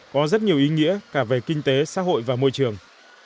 có rất nhiều ý nghĩa cả về kinh tế xã hội và môi trường